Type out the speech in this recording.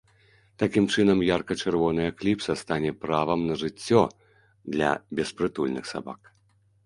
Такім чынам ярка-чырвоная кліпса стане правам на жыццё для беспрытульных сабак.